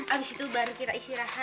abis itu baru kita istirahat